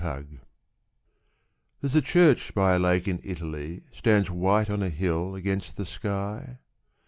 There's a church by a lake in Italy Stands white on a hill against the sky?